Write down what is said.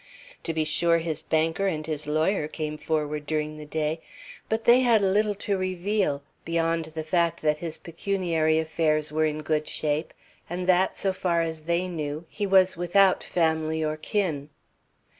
To be sure, his banker and his lawyer came forward during the day, but they had little to reveal beyond the fact that his pecuniary affairs were in good shape and that, so far as they knew, he was without family or kin.